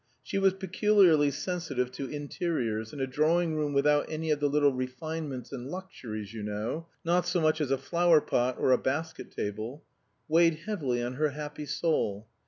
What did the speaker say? She was peculiarly sensitive to interiors, and a drawing room "without any of the little refinements and luxuries, you know not so much as a flower pot or a basket table" weighed heavily on her happy soul.